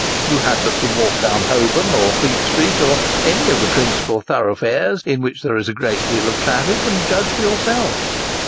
You had but to walk down Holborn, or Fleet Street, or any of the principal thorough fares in which there is a great deal of traffic, and judge for yourself.